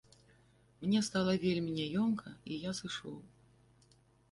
Мне стала вельмі няёмка і я сышоў.